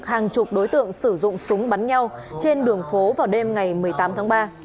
hàng chục đối tượng sử dụng súng bắn nhau trên đường phố vào đêm ngày một mươi tám tháng ba